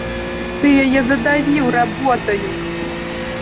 Ты яе задавіў работаю.